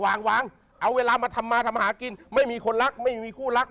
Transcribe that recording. เอาเวลามาทำมาทำมาหากิน